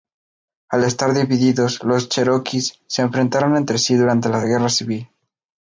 Al estar divididos, los cheroquis se enfrentaron entre sí durante la guerra civil.